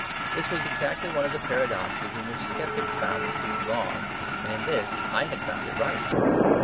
This was exactly one of the paradoxes in which sceptics found the creed wrong; and in this I had found it right.